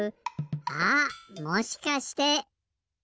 あっもしかして。